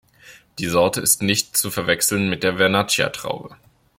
Die Sorte ist nicht zu verwechseln mit der Vernaccia-Traube.